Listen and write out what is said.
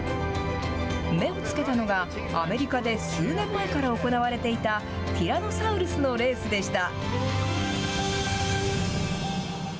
目をつけたのが、アメリカで数年前から行われていた、ティラノサウルスのレースでした。